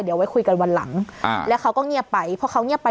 เดี๋ยวไว้คุยกันวันหลังอ่าแล้วเขาก็เงียบไปเพราะเขาเงียบไป